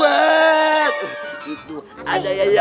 wah ini susah banget empez mikey olive